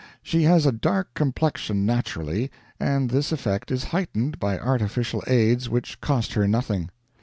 She has a dark complexion naturally, and this effect is heightened by artificial aids which cost her nothing.